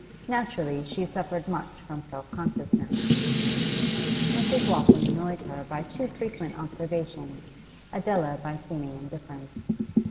Naturally, she suffered much from self consciousness; Mrs. Waltham annoyed her by too frequent observation, Adela by seeming indifference.